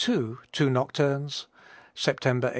62, two nocturnes, September, 1846.